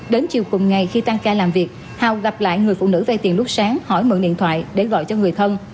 đến chiều cùng ngày khi tăng ca làm việc hào gặp lại người phụ nữ vay tiền lúc sáng hỏi mượn điện thoại để gọi cho người thân